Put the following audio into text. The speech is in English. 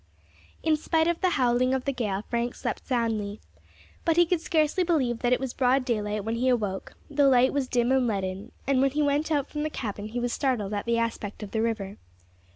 In spite of the howling of the gale Frank slept soundly. But he could scarcely believe that it was broad daylight when he awoke; the light was dim and leaden, and when he went out from the cabin he was startled at the aspect of the river.